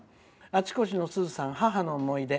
あちこちのすずさん「母の思い出。